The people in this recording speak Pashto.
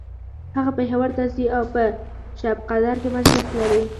هغه پیښور ته ځي او په شبقدر کی مجلس لري